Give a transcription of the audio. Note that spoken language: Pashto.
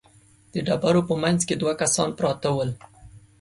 د ډبرو په مينځ کې دوه کسان پراته ول.